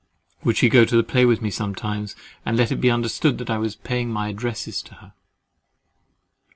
—"Would she go to the play with me sometimes, and let it be understood that I was paying my addresses to her?"